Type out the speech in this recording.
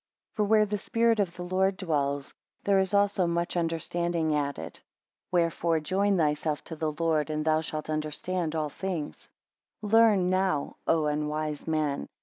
14 For where the spirit of the Lord dwells, there is also much understanding added. Wherefore join thyself to the Lord, and thou shalt understand all things. 15 Learn now, O unwise man!